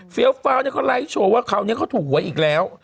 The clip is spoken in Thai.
แฟี้ยวนะเค้าไลท์โชว์ว่าเค้านี้เค้าถูกไว้อีกแล้ว